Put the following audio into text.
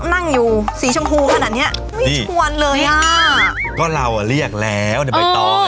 สั่งสั่งทุกผู้ชมไปสั่ง